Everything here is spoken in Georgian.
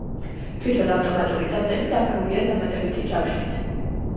თვითონ ავტომატური დამტენი დაფარულია დამატებითი ჯავშნით.